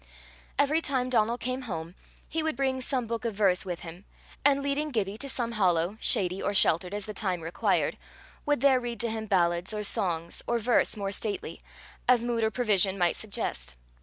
Every time Donal came home, he would bring some book of verse with him, and, leading Gibbie to some hollow, shady or sheltered as the time required, would there read to him ballads, or songs, or verse more stately, as mood or provision might suggest.